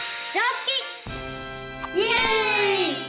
イエイ！